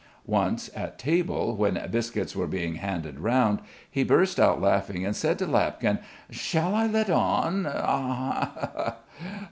Once, at table, when biscuits were being handed round, he burst out laughing and said to Lapkin: "Shall I let on?